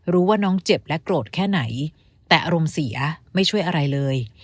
รู้ว่าน้องเจ็บและโกรธแค่ไหนแต่อารมณ์เสียไม่ช่วยอะไรเลย